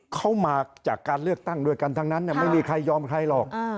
เขามาจากการเลือกตั้งด้วยกันทั้งนั้นไม่มีใครยอมใครหรอก